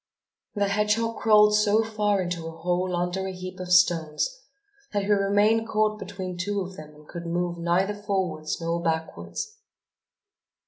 The hedgehog crawled so far into a hole under a heap of stones that he remained caught between two of them and could move neither forwards nor backwards.